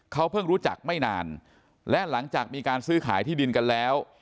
เขาเพิ่งรู้จักไม่นานและหลังจากมีการซื้อขายที่ดินกันแล้ว